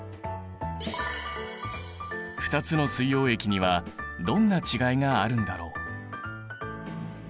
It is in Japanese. ２つの水溶液にはどんな違いがあるんだろう。